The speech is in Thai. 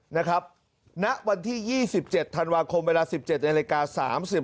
นะครับณวันที่ยี่สิบเจ็ดธันวาคมเวลาสิบเจ็ดในรายการสามสิบ